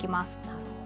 なるほど。